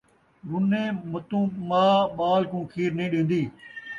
رُنیں متوں ماء ٻال کوں کھیر نئیں ݙین٘دی